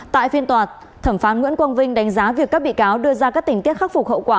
tại phiên tòa thẩm phán nguyễn quang vinh đánh giá việc các bị cáo đưa ra các tình tiết khắc phục hậu quả